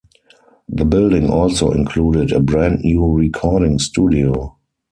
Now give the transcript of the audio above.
The building also included a brand new recording studio.